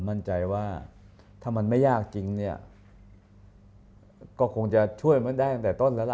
มั่นใจว่าถ้ามันไม่ยากจริงเนี่ยก็คงจะช่วยมันได้ตั้งแต่ต้นแล้วล่ะ